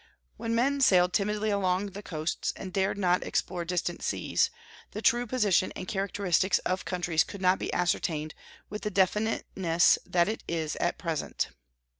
When men sailed timidly along the coasts, and dared not explore distant seas, the true position and characteristics of countries could not be ascertained with the definiteness that it is at present.